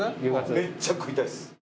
めっちゃ食いたいです。